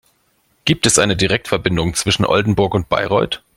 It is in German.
Gibt es eine Direktverbindung zwischen Oldenburg und Bayreuth?